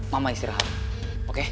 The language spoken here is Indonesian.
mama istirahat oke